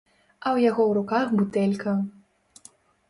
А ў яго ў руках бутэлька.